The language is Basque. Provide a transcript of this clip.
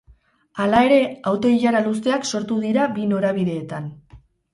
Hala ere, auto-ilara luzeak sortu dira bi norabideetan.